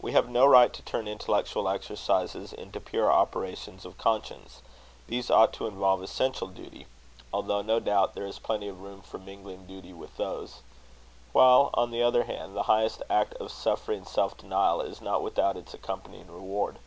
We have no right to turn intellectual exercises into pure operations of conscience: these ought to involve essential duty; although no doubt there is plenty of room for mingling duty with those; while, on the other hand, the highest act of suffering self denial is not without its accompanying reward.